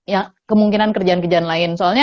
ya kemungkinan kerjaan kerjaan lain soalnya